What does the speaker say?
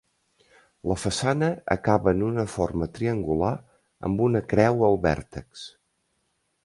La façana acaba en una forma triangular amb una creu al vèrtex.